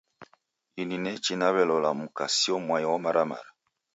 Ini nechi naw'elola mka sio mwai omaramara